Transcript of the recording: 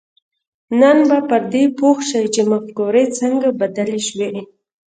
نو به پر دې پوه شئ چې مفکورې څنګه بدلې شوې